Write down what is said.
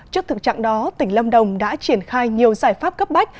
trước thực trạng đó tỉnh lâm đồng đã triển khai nhiều giải pháp cấp bách